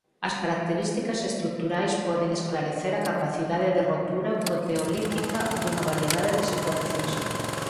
As características estruturais poden esclarecer a capacidade de rotura proteolítica dunha variedade de secuencias.